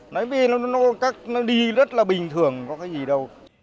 nói vì nó đi rất là bình thường có cái gì đâu